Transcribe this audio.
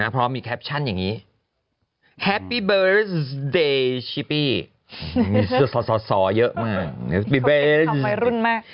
พร้อมมีแคปชั่นอย่างนี้แฮปปี้เบอรี่เดชิปี้มีเสื้อสอสอเยอะมาก